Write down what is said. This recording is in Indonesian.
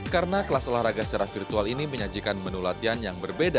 karena kelas olahraga secara virtual ini menyajikan menu latihan yang berbeda